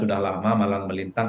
sudah lama malam melintang